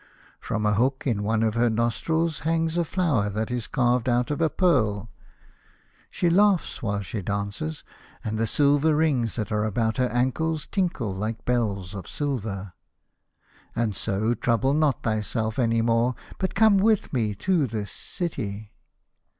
From a hook in one of her nos trils hangs a flower that is carved out of a pearl. She laughs while she dances, and the silver rings that are about her ankles tinkle like bells of silver. And so trouble not thyself any more, but come with me to this *.>> city.